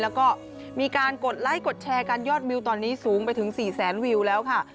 แล้วก็มีการกดไลค์กดแชร์กันยอดวิวตอนนี้สูงไปถึง๔แสนวิวแล้วค่ะ